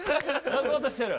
泣こうとしてる！